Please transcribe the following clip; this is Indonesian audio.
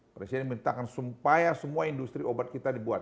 presiden minta kan supaya semua industri obat kita dibuat